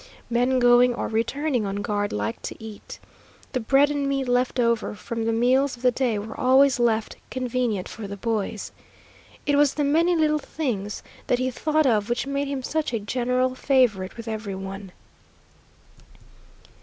Men going or returning on guard liked to eat. The bread and meat left over from the meals of the day were always left convenient for the boys. It was the many little things that he thought of which made him such a general favorite with every one.